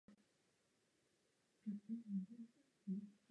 Tímto je Rimmer naprosto vyveden z rovnováhy.